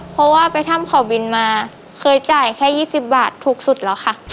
เพราะว่าไปถ้ำเขาบินมาเคยจ่ายแค่๒๐บาทถูกสุดแล้วค่ะ